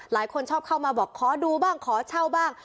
หลายคนชอบเข้ามาบอกขอดูบ้างขอเช่าบ้าง